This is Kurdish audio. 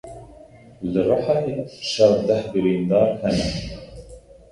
Li Rihayê şer deh birîndar hene.